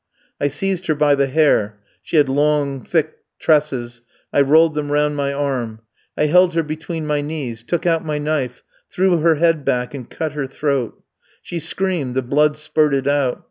"I seized her by the hair she had long, thick tresses I rolled them round my arm. I held her between my knees; took out my knife; threw her head back, and cut her throat. She screamed; the blood spurted out.